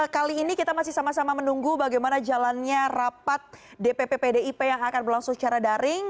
kali ini kita masih sama sama menunggu bagaimana jalannya rapat dpp pdip yang akan berlangsung secara daring